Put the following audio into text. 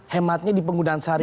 hematnya di penggunaan sehari hari